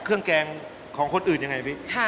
เครื่องแกงของคนอื่นยังไงพี่